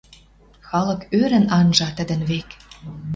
Халык ӧрӹн анжа тӹдӹн век.